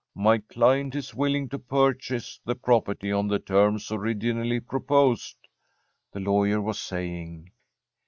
'My client is willing to purchase the property on the terms originally proposed,' the lawyer was saying.